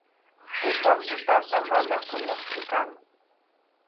Tutan tutanta, mana puñuqchu kani.